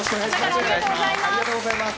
ありがとうございます。